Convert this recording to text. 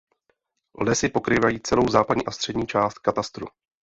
Lesy pokrývají celou západní a střední část katastru.